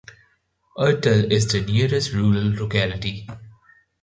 Ertel is the nearest rural locality.